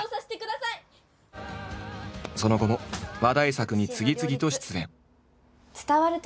その後も話題作に次々と出演。